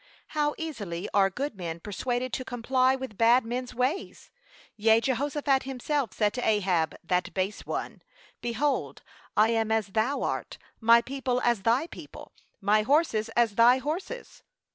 How easily are good men persuaded to comply with bad men's ways. Yea, Jehoshaphat himself said to Ahab, that base one: Behold, 'I am as thou art, my people as thy people, my horses as thy horses.'